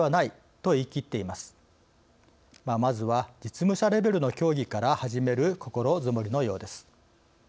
まずは実務者レベルの協議から始める心づもりのようです。